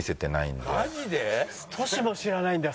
トシも知らないんだ。